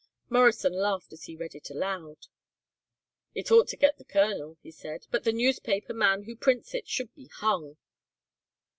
Morrison laughed as he read it aloud. "It ought to get the colonel," he said, "but the newspaper man who prints it should be hung."